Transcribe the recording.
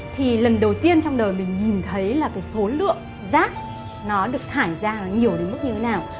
thì lần đầu tiên trong đời mình nhìn thấy là cái số lượng rác nó được thải ra nó nhiều đến mức như thế nào